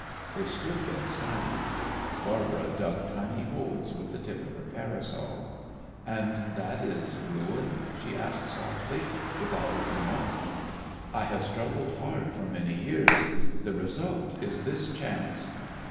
They stood there silent. Barbara dug tiny holes with the tip of her parasol. "And that is ruin?" she asked softly, without looking up. "I have struggled hard for many years. The result is this chance."